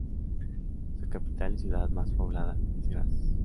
Su capital y ciudad más poblada es Graz.